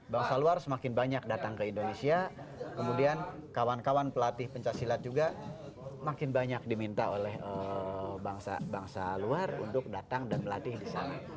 bangsa luar semakin banyak datang ke indonesia kemudian kawan kawan pelatih pencaksilat juga makin banyak diminta oleh bangsa luar untuk datang dan melatih di sana